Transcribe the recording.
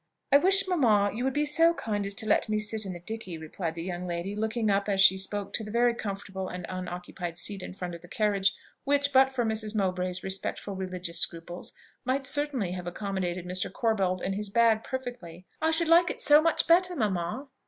"I wish, mamma, you would be so kind as to let me sit in the dickey," replied the young lady, looking up as she spoke to the very comfortable and unoccupied seat in front of the carriage which, but for Mrs. Mowbray's respectful religious scruples, might certainly have accommodated Mr. Corbold and his bag perfectly well. "I should like it so much better, mamma!"